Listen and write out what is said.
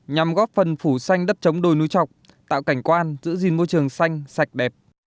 nhằm góp phần phủ xanh đất chống đồi núi trọc tạo cảnh quan giữ gìn môi trường xanh sạch đẹp